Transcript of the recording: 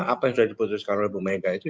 apa yang sudah diputuskan oleh bu mega itu